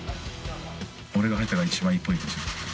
俺が入ったのが一番いいポイント。